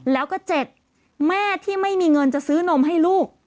แล้วก็๗แม่ที่ไม่มีเงินจะซื้อนมให้ลูก